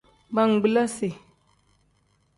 Bangbilasi.